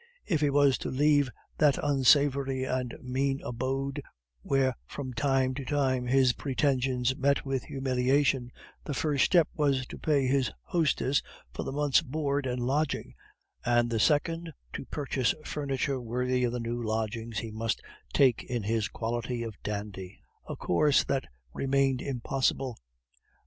If he was to leave that unsavory and mean abode, where from time to time his pretensions met with humiliation, the first step was to pay his hostess for a month's board and lodging, and the second to purchase furniture worthy of the new lodgings he must take in his quality of dandy, a course that remained impossible.